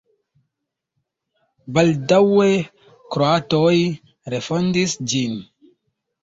Baldaŭe kroatoj refondis ĝin.